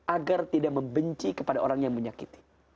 agar tidak membenci kepada orang yang menyakiti